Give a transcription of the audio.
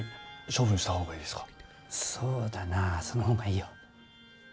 そうだなその方がいいよ。